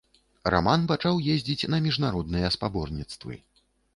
Раман пачаў ездзіць на міжнародныя спаборніцтвы.